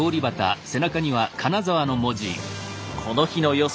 この日の予想